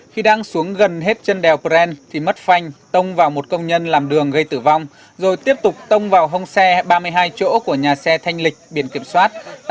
khi đang xuống gần hết chân đèo brent thì mất phanh tông vào một công nhân làm đường gây tử vong rồi tiếp tục tông vào hông xe ba mươi hai chỗ của nhà xe thanh lịch biển kiểm soát